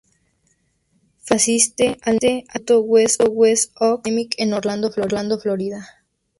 Feliz asiste al instituto "West Oaks Academy" en Orlando, Florida.